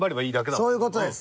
そういう事です。